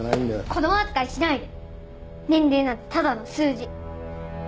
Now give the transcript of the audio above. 子供扱いしないで年齢なんてただの数字。